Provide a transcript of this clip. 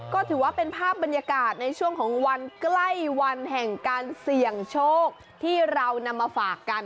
ก็ถือว่าเป็นภาพบรรยากาศในช่วงของวันใกล้วันแห่งการเสี่ยงโชคที่เรานำมาฝากกัน